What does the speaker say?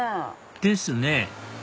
ですね